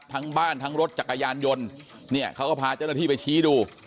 ทั้งบ้านทั้งรถจักรยานยนต์เนี่ยเขาก็พาเจ้าหน้าที่ไปชี้ดู